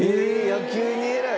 野球にえらい。